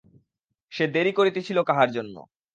সে দেরি করিতেছিল কাহার জন্য?